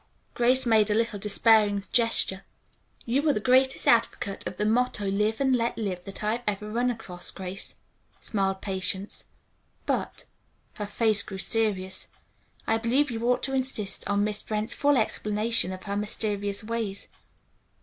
Grace made a little despairing gesture. "You are the greatest advocate of the motto, 'Live and let live' that I have ever run across, Grace," smiled Patience, "but," her face grew serious, "I believe you ought to insist on Miss Brent's full explanation of her mysterious ways.